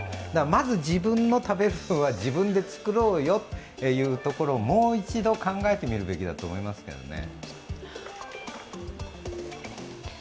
まず自分の食べる分は自分で作ろうよっていうところもう一度考えてみるべきだと思いますけどね。